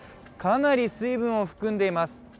かなり水分を含んでいます。